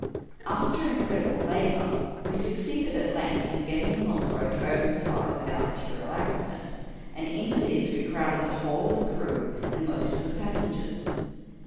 After incredible labor we succeeded, at length, in getting the longboat over the side without material accident, and into this we crowded the whole of the crew and most of the passengers.